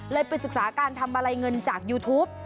เลยเป็นศึกษาการทำมาลัยเงินจากยูทูป